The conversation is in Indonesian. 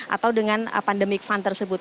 atau dengan pandemic fund tersebut